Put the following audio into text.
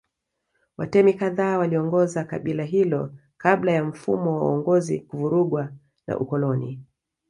Watemi kadhaa waliongoza kabila hilo kabla ya mfumo wa uongozi kuvurugwa na ukoloni